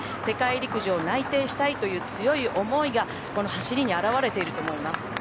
世界陸上、内定したいという強い思いがこの走りに表れてると思います。